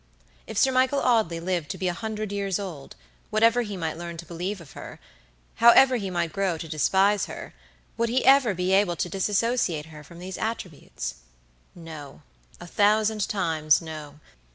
If Sir Michael Audley lived to be a hundred years old, whatever he might learn to believe of her, however he might grow to despise her, would he ever be able to disassociate her from these attributes? No; a thousand times no.